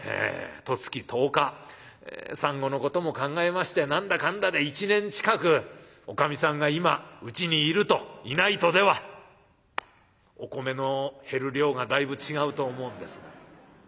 十月十日産後のことも考えまして何だかんだで１年近くおかみさんが今うちにいるといないとではお米の減る量がだいぶ違うと思うんですが」。